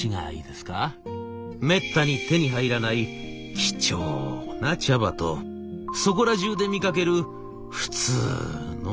めったに手に入らない貴重な茶葉とそこらじゅうで見かける普通の茶葉」。